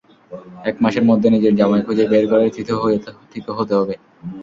এক মাসের মধ্যে নিজের জামাই খুঁজে বের করে থিতু হতে হবে।